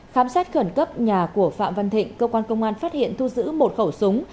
khám xét khẩn cấp nhà của phạm văn thịnh cơ quan công an phát hiện thu giữ một khẩu súng